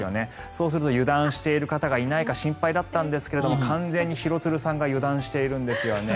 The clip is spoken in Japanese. そうすると油断している方がいないか心配だったんですが完全に廣津留さんが油断しているんですよね。